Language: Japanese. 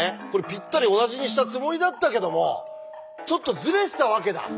ぴったり同じにしたつもりだったけどもちょっとズレてたわけだ。